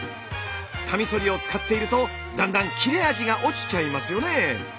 カミソリを使っているとだんだん切れ味が落ちちゃいますよね。